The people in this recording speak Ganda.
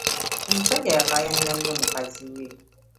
Omusajja yakaayuukira nnyo mukazi we.